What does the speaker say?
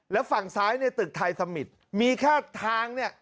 แล้วฝั่งซ้ายเนี่ยตึกไทยสมิตรมีแค่ทางเนี่ย